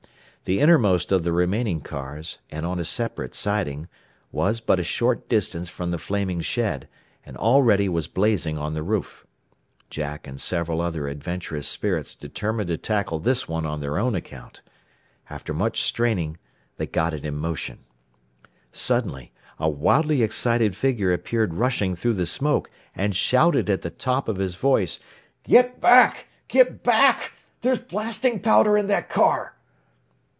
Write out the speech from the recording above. The innermost of the remaining cars, and on a separate siding, was but a short distance from the flaming shed, and already was blazing on the roof. Jack and several other adventurous spirits determined to tackle this one on their own account. After much straining they got it in motion. Suddenly a wildly excited figure appeared rushing through the smoke, and shouted at the top of his voice, "Get back! Get back! There's blasting powder in that car!"